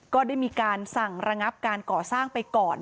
ก็ได้มีการสั่งระงับการก่อสร้างไปก่อน